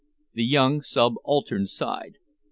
The young subaltern sighed.